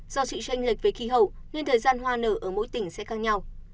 do sự tranh lệch về khí hậu nên thời gian hoa nở ở mỗi tỉnh sẽ khác nhau